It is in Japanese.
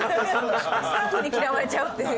スタッフに嫌われちゃうっていう。